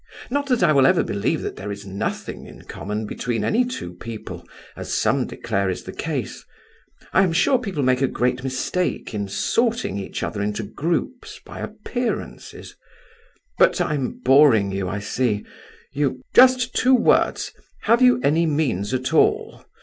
Not that I will ever believe there is nothing in common between any two people, as some declare is the case. I am sure people make a great mistake in sorting each other into groups, by appearances; but I am boring you, I see, you—" "Just two words: have you any means at all?